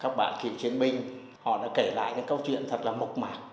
của các bạn kiểu chiến binh họ đã kể lại những câu chuyện thật là mộc mạc